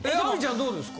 どうですか？